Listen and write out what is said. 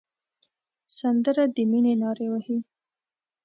سندره د مینې نارې وهي